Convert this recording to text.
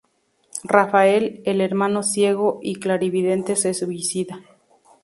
Rafael, el hermano ciego y clarividente, se suicida.